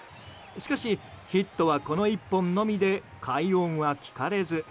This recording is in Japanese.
しかし、ヒットはこの１本のみで快音は聞かれず。